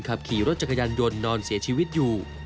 ขับขี่รถจักรยานยนต์นอนเสียชีวิตอยู่